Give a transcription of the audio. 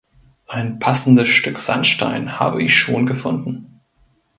Ein passendes Stück Sandstein habe ich schon gefunden.